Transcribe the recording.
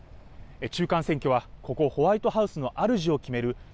中間選挙はここホワイトハウスの主を決める